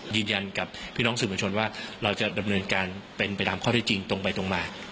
ยืนยันกับพี่น้องสื่อมวลชนว่าเราจะดำเนินการเป็นไปตามข้อที่จริงตรงไปตรงมา